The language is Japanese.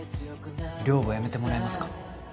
寮母やめてもらえますか？